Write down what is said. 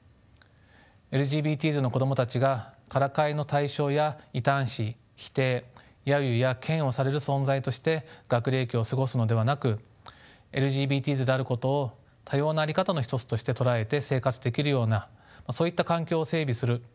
ＬＧＢＴｓの子供たちがからかいの対象や異端視否定揶揄や嫌悪される存在として学齢期を過ごすのではなくＬＧＢＴｓであることを多様な在り方の一つとして捉えて生活できるようなそういった環境を整備する。